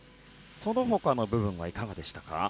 その他の部分はいかがでしたか。